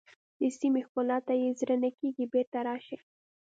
د سیمې ښکلا ته یې زړه نه کېږي بېرته راشئ.